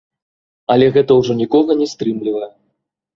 Але гэта ўжо нікога не стрымлівае.